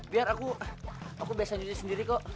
biar aku aku bebasan jadi sendiri kok